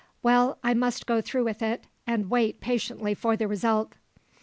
Well, I must go through with it, and wait patiently for the result."